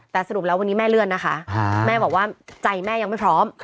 แล้วสรุปแล้ววันนี้แม่เลื่อนแม่บอกว่าใจแม่ไม่พร้อม